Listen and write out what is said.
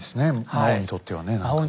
魔王にとってはね何かね。